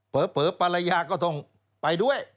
เผลอปรายยาก็ต้องไปด้วย